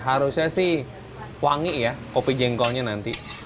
harusnya sih wangi ya kopi jengkolnya nanti